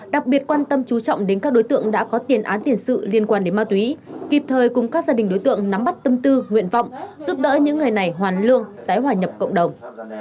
đặc biệt quan tâm chú trọng đến các đối tượng đã có tiền án tiền sự liên quan đến ma túy kịp thời cùng các gia đình đối tượng nắm bắt tâm tư nguyện vọng giúp đỡ những người này hoàn lương tái hòa nhập cộng đồng